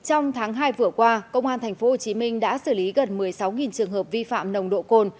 trong tháng hai vừa qua công an tp hcm đã xử lý gần một mươi sáu trường hợp vi phạm nồng độ cồn